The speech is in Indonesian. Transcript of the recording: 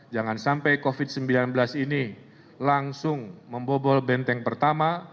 jangan sampai covid sembilan belas ini langsung membobol benteng pertama